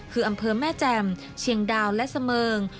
คืออำเภอแม่แจ่มเชียงดาวและเสมิง